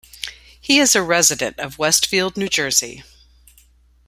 He is a resident of Westfield, New Jersey.